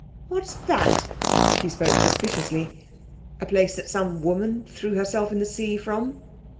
'What's that?' She spoke suspiciously. 'A place that some woman threw herself into the sea from.'